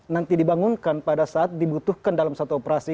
nanti dibangunkan pada saat dibutuhkan dalam satu operasi